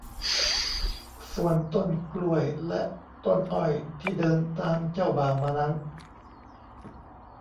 ส่วนต้นกล้วยและต้นอ้อยที่เดินตามเจ้าบ่าวมานั้น